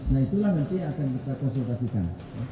nah itulah nanti akan kita konsultasikan